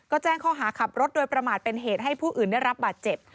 ก็แจ้งข้อหาขับรถโดยประมาทเป็นเหตุให้ผู้อื่นได้รับบาดเจ็บ